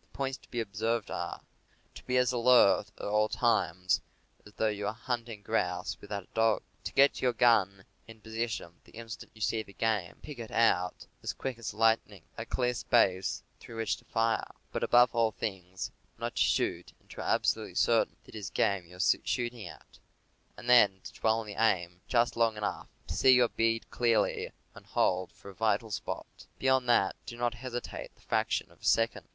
The points to be observed are : To be as alert at all times as though you were hunting grouse without a dog; to get your gim in position the instant that you see the game; to pick out, as quick as lightning, a clear space through which to fire; but, above all things, not to shoot until you are absolutely certain that it is game you are shooting at; and then to dwell on the aim just long enough to see your bead clearly and to hold for a vital spot. Beyond that, do not hesitate the fraction of a second.